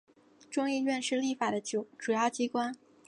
众议院是立法的主要机关。